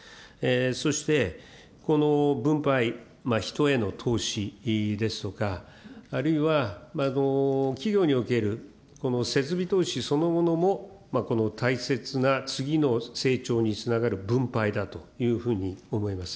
そしてこの分配、人への投資ですとか、あるいは企業における設備投資そのものも大切な次の成長につながる分配だというふうに思います。